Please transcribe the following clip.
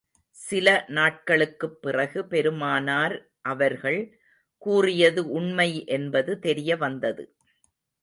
சில நாட்களுக்குப் பிறகு, பெருமானார் அவர்கள் கூறியது உண்மை என்பது தெரிய வந்தது.